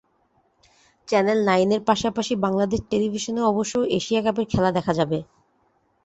Channel নাইনের পাশাপাশি বাংলাদেশ টেলিভিশনেও অবশ্য এশিয়া কাপের খেলা দেখা যাবে।